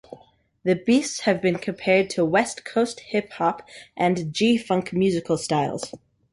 The beats have been compared to West Coast hip hop and G-funk musical styles.